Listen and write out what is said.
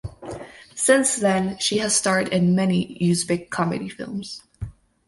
Since then she has starred in many Uzbek comedy films.